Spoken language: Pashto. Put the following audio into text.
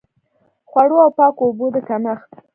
خوړو او پاکو اوبو د کمښت.